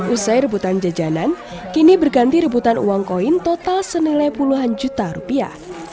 usai rebutan jajanan kini berganti rebutan uang koin total senilai puluhan juta rupiah